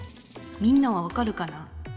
みんなは分かるかな？